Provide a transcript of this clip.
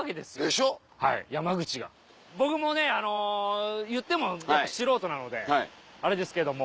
僕もねいっても素人なのであれですけども。